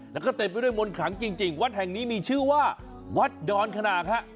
แล้วก็เต็มไปด้วยมนต์ขังจริงวัดแห่งนี้มีชื่อว่าวัดดอนขนาดฮะ